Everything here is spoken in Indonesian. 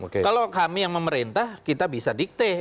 kalau kami yang pemerintah kita bisa diktir